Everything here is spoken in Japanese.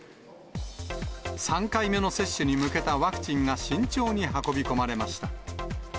３回目の接種に向けたワクチンが慎重に運び込まれました。